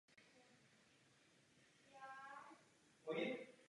Dále zde rostou tři památné stromy.